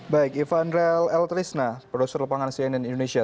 baik ivan rael l trisna produser lepangan cnn indonesia